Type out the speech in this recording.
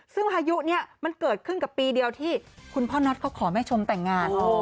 ซึ่งพายุเนี่ยมันเกิดขึ้นกับปีเดียวที่คุณพ่อน็อตเขาขอแม่ชมแต่งงาน